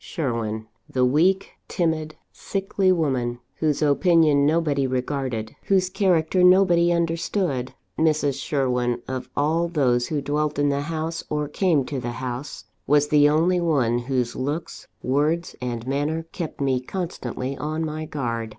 Sherwin the weak, timid, sickly woman, whose opinion nobody regarded, whose character nobody understood Mrs. Sherwin, of all those who dwelt in the house, or came to the house, was the only one whose looks, words, and manner kept me constantly on my guard.